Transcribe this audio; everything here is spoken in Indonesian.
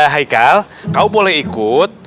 haikal kau boleh ikut